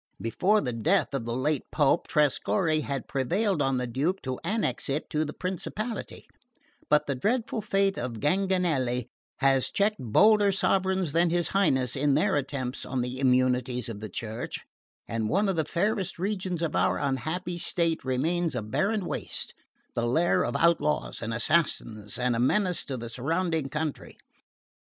Before the death of the late Pope, Trescorre had prevailed on the Duke to annex it to the principality; but the dreadful fate of Ganganelli has checked bolder sovereigns than his Highness in their attempts on the immunities of the Church, and one of the fairest regions of our unhappy state remains a barren waste, the lair of outlaws and assassins, and a menace to the surrounding country.